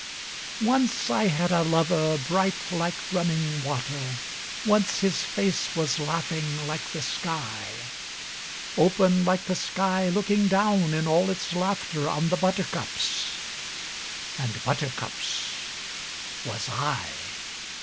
Once I had a lover bright like running water, Once his face was laughing like the sky; Open like the sky looking down in all its laughter On the buttercups and buttercups was I.